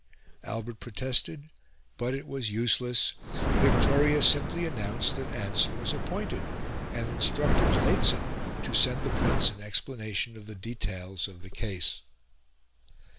Albert protested, but it was useless; Victoria simply announced that Anson was appointed, and instructed Lehzen to send the Prince an explanation of the details of the case.